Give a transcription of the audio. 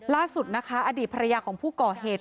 ล่าสุดนะคะอดีตภรรยาของผู้ก่อเหตุ